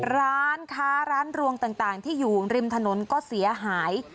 ร้านค้าร้านรวงต่างที่อยู่ริมถนนก็เสียหาย